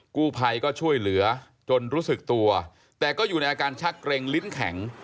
กู้ภัยก็ช่วยเหลือจนรู้สึกตัวแต่ก็อยู่ในอาการชักเกร็งลิ้นแข็ง